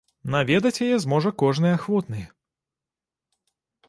Наведаць яе зможа кожны ахвотны.